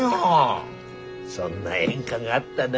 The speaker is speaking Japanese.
そんな演歌があったな。